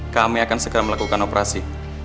kami akan segera melakukan operasi